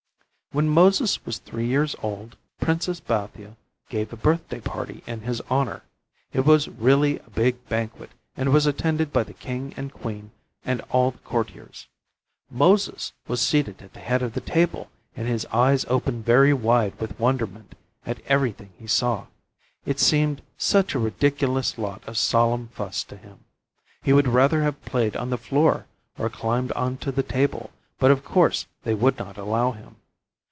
When Moses was three years old, Princess Bathia gave a birthday party in his honor. It was really a big banquet and was attended by the king and queen and all the courtiers. Moses was seated at the head of the table and his eyes opened very wide with wonderment at everything he saw. It seemed such a ridiculous lot of solemn fuss to him. He would rather have played on the floor, or climbed on to the table, but of course they would not allow him.